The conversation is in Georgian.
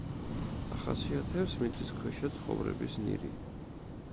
ახასიათებს მიწისქვეშა ცხოვრების ნირი.